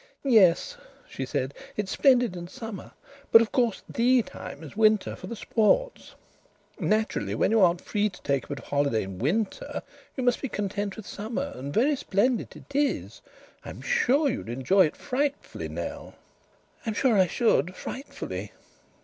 "Yes," she said, "it's splendid in summer. But, of course, the time is winter, for the sports. Naturally, when you aren't free to take a bit of a holiday in winter, you must be content with summer, and very splendid it is. I'm sure you'd enjoy it frightfully, Nell." "I'm sure I should frightfully!"